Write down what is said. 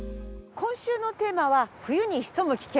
今週のテーマは冬に潜む危険。